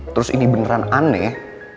terus ini beneran aneh